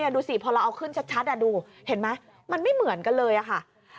ดูสิพอเราเอาขึ้นชัดดูเห็นไหมมันไม่เหมือนกันเลยค่ะ